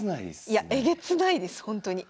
いやえげつないですほんとに。